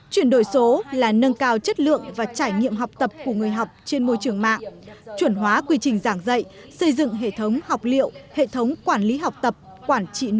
chuyển đổi số là nâng cao chất lượng và trải nghiệm học tập của người học trên môi trường mạng chuẩn hóa quy trình giảng dạy xây dựng hệ thống học liệu hệ thống quản lý học tập quản trị nội dung